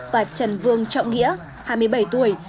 và trần vương trọng nghĩa hai mươi bảy tuổi